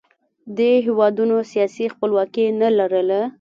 دې هېوادونو سیاسي خپلواکي نه لرله